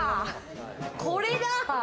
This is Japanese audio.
これだ！